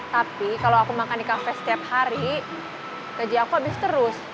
tapi kalau aku makan di kafe setiap hari kerja aku habis terus